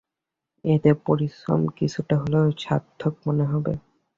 এতে পরিশ্রম কিছুটা হলেও সার্থক মনে হবে।